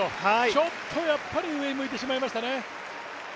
ちょっとやっぱり上を向いてしまいましたね。